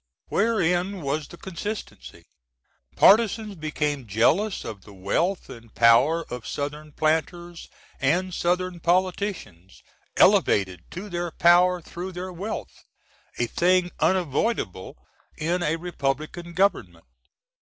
Wherein was the consistency? Partisans became jealous of the wealth & power of Southern planters & South^n politicians, elevated to their power through their wealth a thing unavoidable in a Republican government.